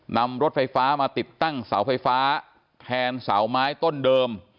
นำรถไฟฟ้ามาติดตั้งเสาไฟฟ้าแทนเสาไม้ต้นเดิม